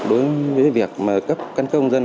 đối với việc cấp cân công dân